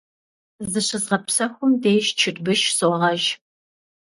Зыщызгъэпсэхум деж чырбыш согъэж.